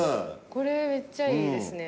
これめっちゃいいですね。